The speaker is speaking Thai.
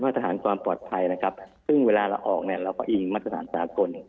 มาทะหารกว่าปลอดภัยนะครับซึ่งเวลาเราออกเราก็อิงมาทศาสตราคน